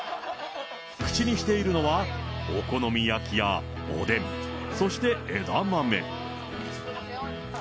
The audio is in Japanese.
口にしているのは、お好み焼きやおでん、そして、枝豆。